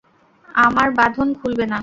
আমার বাঁধন খুলবে না?